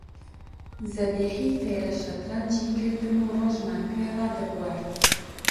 زەبیحی فێرە شەترەنجی کردم و ڕۆژمان پێ ڕادەبوارد